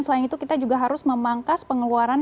selain itu kita juga harus memangkas pengeluaran